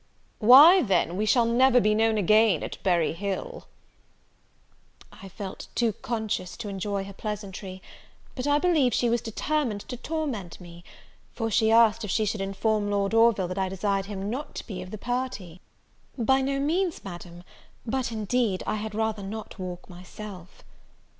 "Why then, we shall never be known again at Berry Hill." I felt too conscious to enjoy her pleasantry; but I believe she was determined to torment me, for she asked if she should inform Lord Orville that I desired him not to be of the party? "By no means, Madam; but, indeed, I had rather not walk myself."